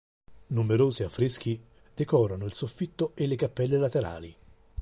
Numerosi affreschi decorano il soffitto e le cappelle laterali.